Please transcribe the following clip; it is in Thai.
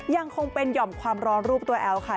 ยังคงเป็นหย่อมความร้อนรูปตัวแอลค่ะ